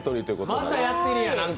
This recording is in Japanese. またやってるや何か。